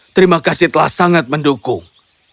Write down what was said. terima kasih telah sangat mendukung